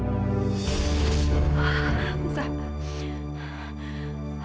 jadinya di muka ibu tumbuh kumis deh